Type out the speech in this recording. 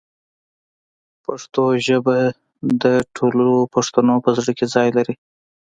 پښتو ژبه د ټولو پښتنو په زړه کې ځانګړی ځای لري.